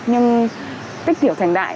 nhưng tích kiểu thành đại